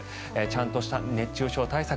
ちゃんとした熱中症対策